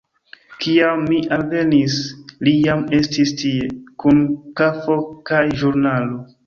Kiam mi alvenis, li jam estis tie, kun kafo kaj ĵurnalo.